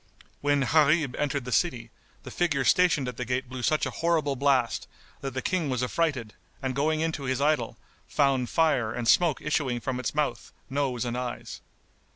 When Gharib entered the city, the figure stationed at the gate blew such a horrible blast that the King was affrighted and going into his idol, found fire and smoke issuing from its mouth, nose and eyes.